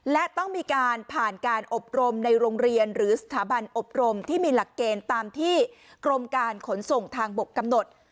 และต้องมีการผ่านการอบรมในโรงเรียนหรือสถาบันอบรมที่มีหลักเกณฑ์ตามที่กรมการขนส่งทางบกกำหนด